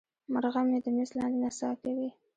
مرغه مې د میز لاندې نڅا کوي.